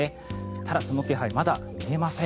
ただ、その気配まだ見えません。